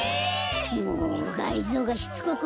もうがりぞーがしつこく